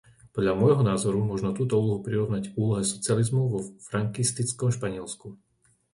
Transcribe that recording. Podľa môjho názoru možno túto úlohu prirovnať k úlohe socializmu vo frankistickom Španielsku.